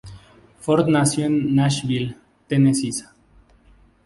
Ford nació en Nashville, Tennessee.